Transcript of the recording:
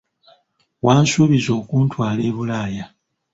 Wansuubiza okuntwala e Bulaaya.